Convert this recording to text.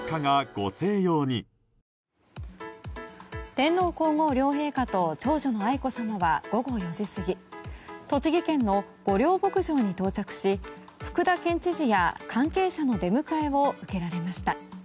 天皇・皇后両陛下と長女の愛子さまは午後４時過ぎ栃木県の御料牧場に到着し福田県知事や関係者の出迎えを受けられました。